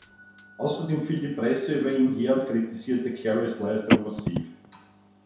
Außerdem fiel die Presse über ihn her und kritisierte Careys Leistung massiv.